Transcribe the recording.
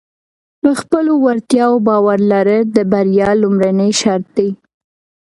په خپلو وړتیاو باور لرل د بریا لومړنی شرط دی.